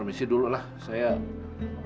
permisi dulu lah saya mau nebus obatnya ya